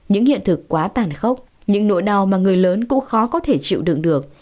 những hiện thực quá tàn khốc những nỗi đau mà người lớn cũng khó có thể chịu đựng được